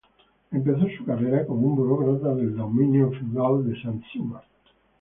Empezó su carrera como un burócrata del dominio feudal de Satsuma.